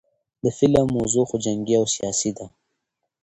د فلم موضوع خو جنګي او سياسي ده